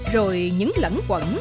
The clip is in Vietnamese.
rồi những lẫn quẩn